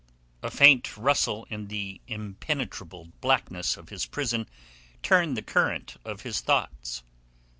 A faint rustle in the impenetrable blackness of his prison turned the current of his thoughts.